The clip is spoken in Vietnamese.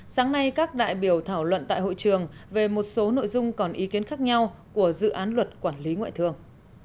sáng nay các đại biểu thảo luận tại hội trường về một số nội dung còn ý kiến khác nhau của dự án luật quản lý ngoại thương